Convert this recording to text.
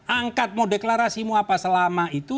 angkat mau deklarasi mau apa selama itu